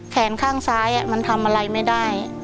แขนข้างซ้ายมันทำอะไรไม่ได้